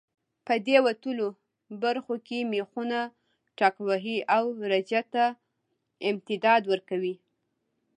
په دې وتلو برخو کې مېخونه ټکوهي او رجه ته امتداد ورکوي.